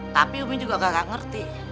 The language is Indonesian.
tapi umi juga nggak ngerti